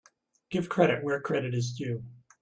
Give credit where credit is due.